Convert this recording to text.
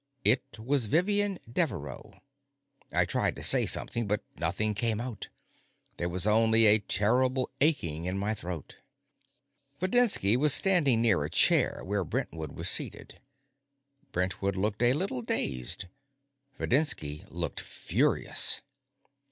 It was Vivian Deveraux. I tried to say something, but nothing came out. There was only a terrible aching in my throat. Videnski was standing near a chair where Brentwood was seated. Brentwood looked a little dazed; Videnski looked furious.